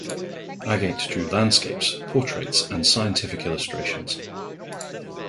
Agate drew landscapes, portraits, and scientific illustrations.